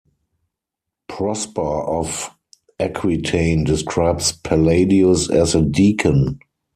Prosper of Aquitaine describes Palladius as a deacon.